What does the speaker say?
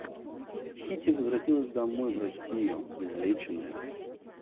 Кити возвратилась домой, в Россию, излеченная.